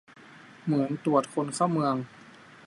เหมือนตรวจคนเข้าเมือง